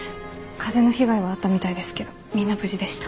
風の被害はあったみたいですけどみんな無事でした。